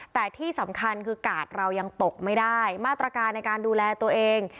แต่ที่สำคัญคือกาดเรายังตกไม่ได้มาตรการในการดูแลตัวเอง